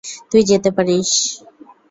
তুই যেতে পারিস।